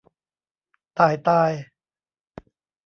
ต่ายตาย